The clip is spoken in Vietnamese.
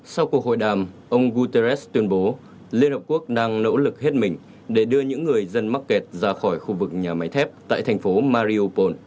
sau cuộc hội đàm ông guterres tuyên bố liên hợp quốc đang nỗ lực hết mình để đưa những người dân mắc kẹt ra khỏi khu vực nhà máy thép tại thành phố mariopol